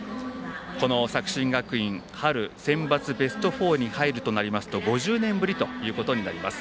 この作新学院春センバツベスト４に入るとなりますと５０年ぶりということになります。